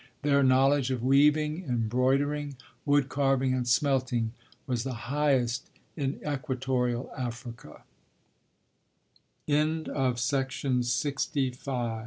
Their knowledge of weaving, embroidering, wood carving and smelting was the highest in equatorial Africa. PILLARS OF THE STATE WILLIAM C.